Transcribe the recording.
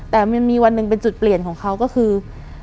แต่มันมีวันหนึ่งเป็นจุดเปลี่ยนของเขาก็คือ